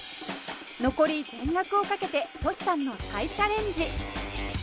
残り全額を賭けてトシさんの再チャレンジ